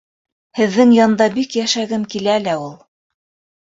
Һеҙҙең янда бик йәшәгем килә лә ул.